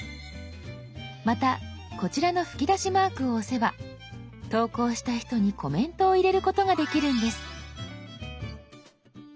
またこちらの吹き出しマークを押せば投稿した人にコメントを入れることができるんです。